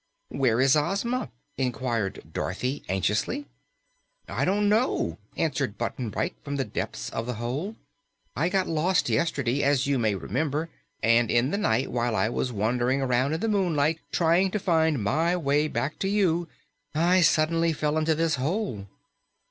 "Where is Ozma?" inquired Dorothy anxiously. "I don't know," answered Button Bright from the depths of the hole. "I got lost yesterday, as you may remember, and in the night while I was wandering around in the moonlight trying to find my way back to you, I suddenly fell into this hole."